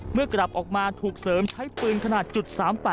กลับออกมาถูกเสริมใช้ปืนขนาด๓๘